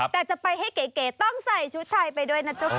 แต่จะไปให้เก๋ต้องใส่ชุดไทยไปด้วยนะเจ้าค่ะ